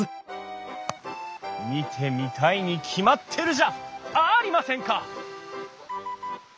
見てみたいに決まってるじゃありませんか！